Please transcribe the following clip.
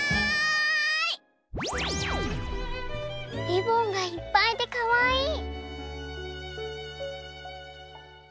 リボンがいっぱいでかわいい。